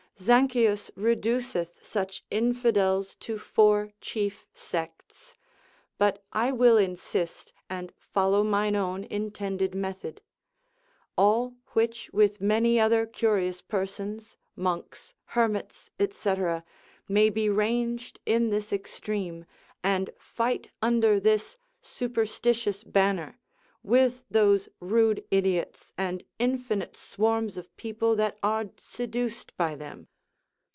Zanchius reduceth such infidels to four chief sects; but I will insist and follow mine own intended method: all which with many other curious persons, monks, hermits, &c., may be ranged in this extreme, and fight under this superstitious banner, with those rude idiots, and infinite swarms of people that are seduced by them.